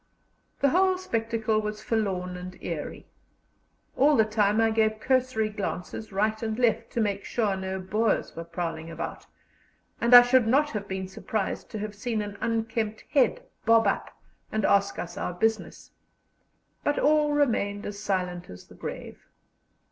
The whole spectacle was forlorn and eerie. All the time I gave cursory glances right and left, to make sure no Boers were prowling about, and I should not have been surprised to have seen an unkempt head bob up and ask us our business. But all remained as silent as the grave.